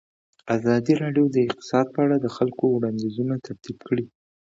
ازادي راډیو د اقتصاد په اړه د خلکو وړاندیزونه ترتیب کړي.